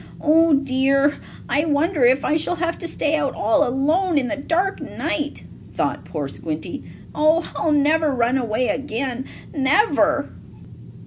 "Oh dear! I wonder if I shall have to stay out all alone in the dark night," thought poor Squinty. "Oh, I'll never run away again; never!"